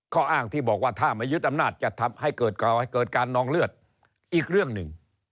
ข้ออ้างที่บอกว่าถ้าไม่ยึดอำนาจจะทำให้เกิดการนองเลือดอีกเรื่องหนึ่ง